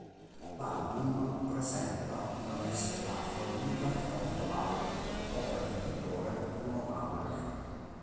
L'album presenta una veste grafica unica e particolare, opera del pittore Bruno Aller.